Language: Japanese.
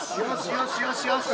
よしよしよし。